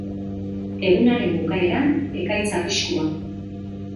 Egunaren bukaeran, ekaitz arriskua.